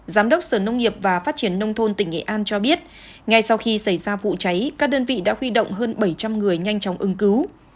giám đốc sở nông nghiệp và phát triển nông thôn tỉnh nghệ an cho biết ngay sau khi xảy ra vụ cháy các đơn vị đã huy động hơn bảy trăm linh người nhanh chóng ứng cứu